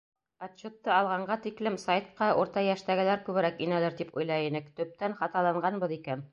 Отчетты алғанға тиклем сайтҡа урта йәштәгеләр күберәк инәлер тип уйлай инек, төптән хаталанғанбыҙ икән.